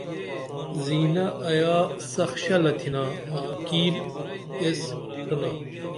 زینہ ایاسخ شلہ تھینا آں کِیر یس پرینا